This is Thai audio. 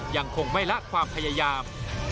ยังคงไม่ละความพยายาม